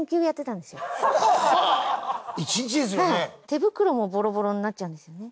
手袋もボロボロになっちゃうんですよね。